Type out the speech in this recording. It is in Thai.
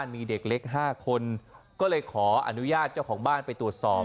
มีเด็กเล็ก๕คนก็เลยขออนุญาตเจ้าของบ้านไปตรวจสอบ